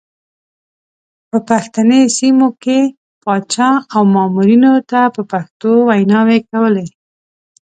په پښتني سیمو کې پاچا او مامورینو ته په پښتو ویناوې کولې.